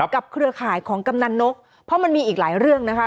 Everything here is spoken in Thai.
เครือข่ายของกำนันนกเพราะมันมีอีกหลายเรื่องนะคะ